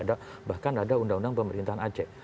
ada bahkan ada undang undang pemerintahan aceh